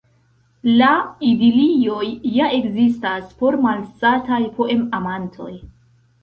La idilioj ja ekzistas por malsataj poemamantoj.